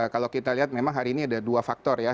kalau kita lihat memang hari ini ada dua faktor ya